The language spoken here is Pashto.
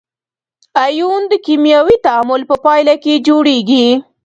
ایون د کیمیاوي تعامل په پایله کې جوړیږي.